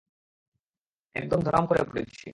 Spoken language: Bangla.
একদম ধড়াম করে পড়েছি।